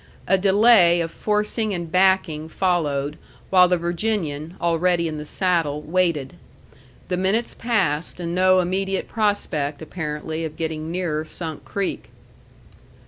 A delay of forcing and backing followed, while the Virginian, already in the saddle, waited. The minutes passed, and no immediate prospect, apparently, of getting nearer Sunk Creek.